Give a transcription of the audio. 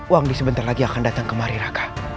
wangdi sebentar lagi akan datang kemari raka